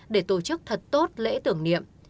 để tổ chức thật tốt lễ tưởng niệm